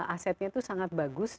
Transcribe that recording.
asetnya itu sangat bagus